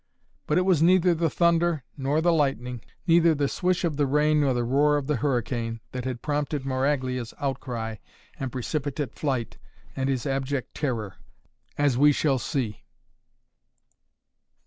But it was neither the thunder, nor the lightning, neither the swish of the rain nor the roar of the hurricane, that had prompted Maraglia's outcry and precipitate flight and his abject terror, as we shall see.